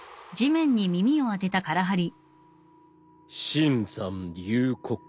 深山幽谷。